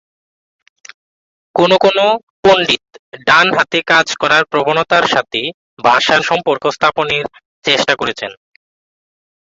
কোন কোন পণ্ডিত ডান হাতে কাজ করার প্রবণতার সাথে ভাষার সম্পর্ক স্থাপনের চেষ্টা করেছেন।